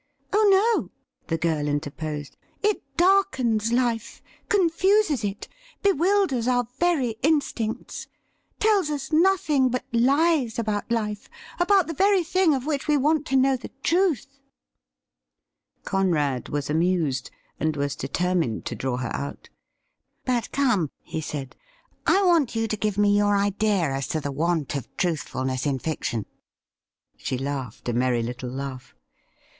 ' Oh no,' the girl interposed ;' it darkens life, confuses it, bewilders our very instincts ; tells us nothing but lies about life, about the very thing of which we want to know the truth.' Conrad was amused, and was determined to draw her out. ' But come,' he said ;' I want you to give me your idea as to the want of truthfulness in fiction.' She laughed a merry little laugh.